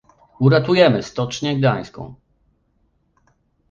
Uratujmy Stocznię Gdańską!